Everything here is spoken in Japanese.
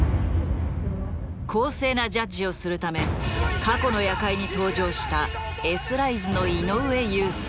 公正なジャッジをするため過去の夜会に登場したＳライズの井上雄介。